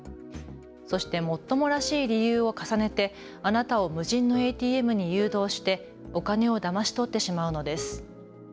そしてもっともらしい理由を重ねてあなたを無人のＡＴＭに誘導してお金をだまし取ってしまうのです。